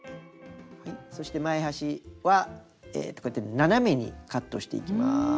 そして前端はこうやって斜めにカットしていきます。